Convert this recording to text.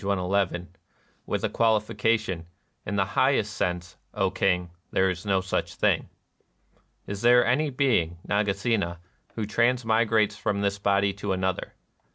Ill), with a qualification: ^^ In the highest sense, O King, there is no such thing."] " Is there any being, Nagasena, who transmi grates from this body to another